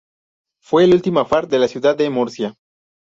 Fue el último alfar de la ciudad de Murcia.